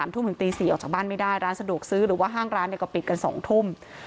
ทุ่มถึงตี๔ออกจากบ้านไม่ได้ร้านสะดวกซื้อหรือว่าห้างร้านก็ปิดกัน๒ทุ่ม